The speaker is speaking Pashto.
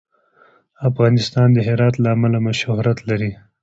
افغانستان د هرات له امله شهرت لري.